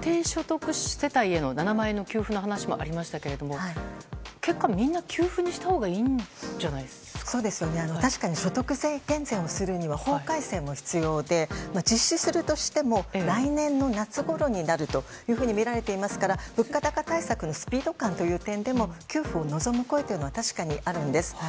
低所得世帯への７万円の給付の話もありましたけれどもみんな給付にしたほうが確かに所得税減税をするには法改正も必要で実施するとしても来年夏ごろになるとみられていますから物価高対策のスピード感という点でも給付を望む声は確かにあるんです。